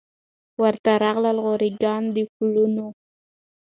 ورته راغلل غوري ګان د پولاوونو